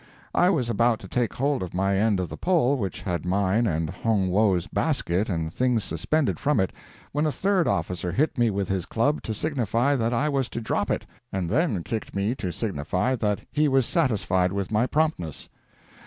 I was about to take hold of my end of the pole which had mine and Hong Wo's basket and things suspended from it, when a third officer hit me with his club to signify that I was to drop it, and then kicked me to signify that he was satisfied with my promptness.